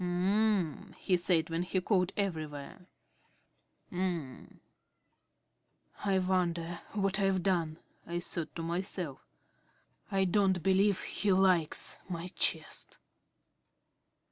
"Um," he said when he called everywhere, "um." "I wonder what I've done," I thought to myself. "I don't believe he likes my chest."